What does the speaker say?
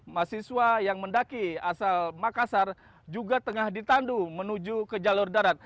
mahasiswa yang mendaki asal makassar juga tengah ditandu menuju ke jalur darat